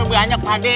lebih banyak pak d